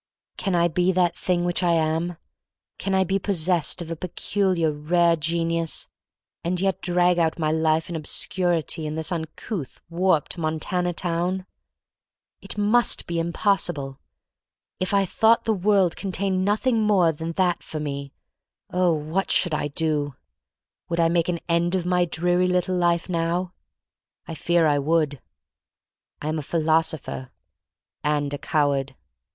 Can I be that thing which I am — can I be possessed of a peculiar rare genius, and yet drag out my life in obscurity in this uncouth, warped, Montana town ? It must be impossible! If I thought the world contained nothing more than that for me — oh, what should I do? Would I make an end of my dreary little life now? I fear I would. I am a philosopher — and a coward.